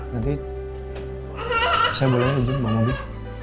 nanti saya boleh aja yang bawa mobil